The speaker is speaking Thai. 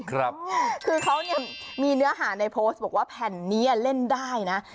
คือเขาเนี่ยมีเนื้อหาในโพสต์บอกว่าแผ่นนี้เล่นได้นะ